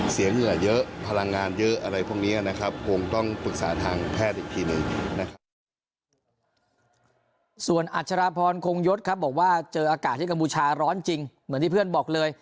ส่วนอัชราพรคงยศครับบอกว่าเจออากาศที่กัมพูชาร้อนจริงเหมือนที่เพื่อนบอกเลย